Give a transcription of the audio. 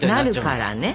なるからね。